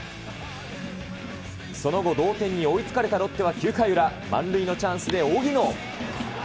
その後、同点に追いつかれたロッテは９回裏、満塁のチャンスで荻野。